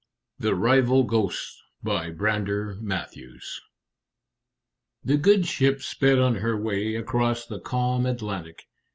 The Rival Ghosts BY BRANDER MATTHEWS The good ship sped on her way across the calm Atlantic.